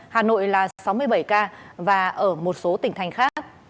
hà nội là sáu mươi bảy ca và ở một số tỉnh thành khác